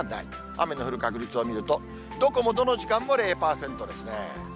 雨の降る確率を見ると、どこもどの時間も０％ですね。